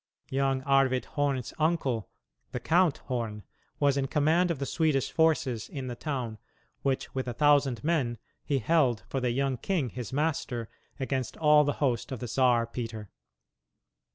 Young Arvid Horn's uncle, the Count Horn, was in command of the Swedish forces in the town, which, with a thousand men, he held for the young king, his master, against all the host of the Czar Peter.